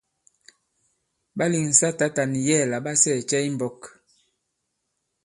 Ɓa lèŋsa tǎta nì yɛ̌ɛ̀ la ɓa sɛɛ̀ cɛ i mbɔ̄k?